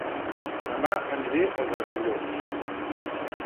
Dema aniré a Gratallops